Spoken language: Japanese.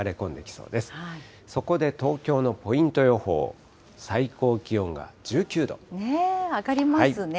そこで東京のポイント予報、最高気温が１９度。上がりますね。